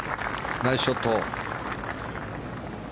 ナイスショット。